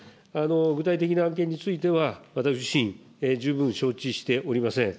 具体的な案件については、私自身、十分承知しておりません。